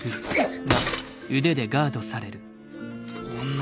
女？